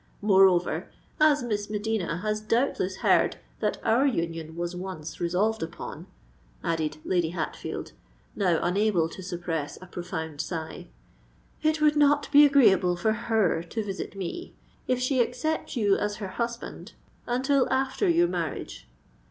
Moreover, as Miss de Medina has doubtless heard that our union was once resolved upon," added Lady Hatfield, now unable to suppress a profound sigh, "it would not be agreeable for her to visit me, if she accept you as her husband, until after your marriage.